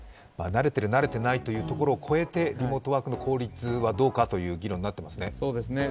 慣れている慣れていないというところを超えてリモートワークの効率はどうだという議論になっていますね。